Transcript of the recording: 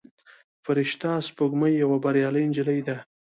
فرشته سپوږمۍ یوه بریالۍ نجلۍ ده.